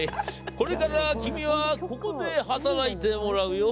これから君はここで働いてもらうよ。